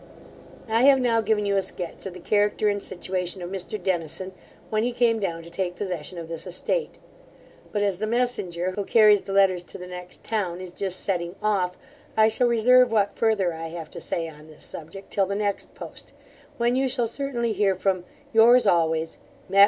I have now given you a sketch of the character and situation of Mr Dennison, when he came down to take possession of this estate; but as the messenger, who carries the letters to the next town, is just setting off, I shall reserve what further I have to say on this subject, till the next post, when you shall certainly hear from Yours always, MATT.